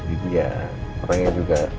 jadi ya orangnya juga